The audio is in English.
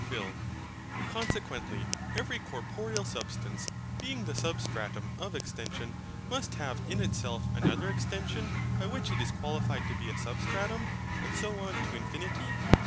PHIL. Consequently, every corporeal substance, being the SUBSTRATUM of extension, must have in itself another extension, by which it is qualified to be a SUBSTRATUM: and so on to infinity.